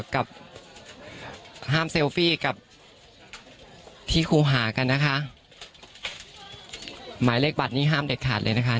กับห้ามเซลฟี่กับที่ครูหากันนะคะหมายเลขบัตรนี้ห้ามเด็ดขาดเลยนะคะ